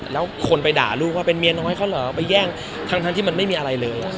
แล้วคนไปด่าลูกว่าเป็นเมียน้อยเขาเหรอไปแย่งทั้งที่มันไม่มีอะไรเลย